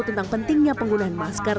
tentang pentingnya penggunaan masker